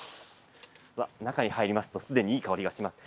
中に入りますとすでにいい香りがします。